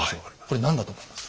これ何だと思います？